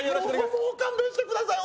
もう勘弁してください